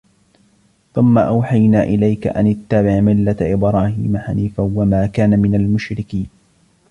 ثُمَّ أَوْحَيْنَا إِلَيْكَ أَنِ اتَّبِعْ مِلَّةَ إِبْرَاهِيمَ حَنِيفًا وَمَا كَانَ مِنَ الْمُشْرِكِينَ